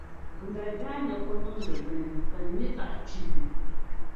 bɛ mali daanya kɔniŋdi bini ka di nyɛ zaɣ’ kpilli.